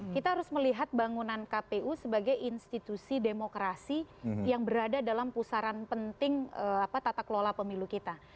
kita harus melihat bangunan kpu sebagai institusi demokrasi yang berada dalam pusaran penting tata kelola pemilu kita